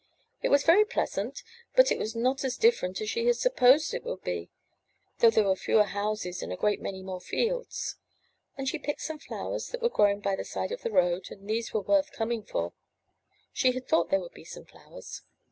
It was very pleasant, but it was not as different as she had supposed it would be, though there were fewer houses and a great many more fields; and she picked some flowers that were growing by the side of the road, and these were worth coming for; she had thought there would be some flowers.